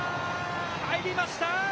入りました！